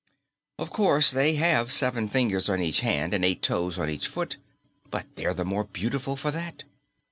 "Of course, they have seven fingers on each hand and eight toes on each foot, but they're the more beautiful for that.